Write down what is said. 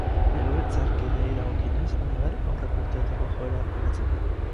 Legebiltzarkideei dagokienez, halaber, aurreko urteetako joera errepikatzen da.